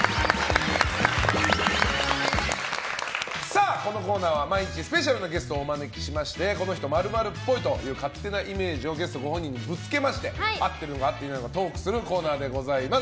さあ、このコーナーは毎日スペシャルなゲストをお招きしましてこの人○○っぽいという勝手なイメージをゲストご本人にぶつけまして合っているのか合っていないのかトークするコーナーでございます。